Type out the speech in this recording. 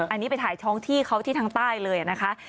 อันนี้ไปถ่ายท้องที่เขาที่ทางใต้เลยนะคะ